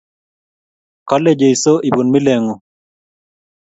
Kale Jesu, ibun miletabung’un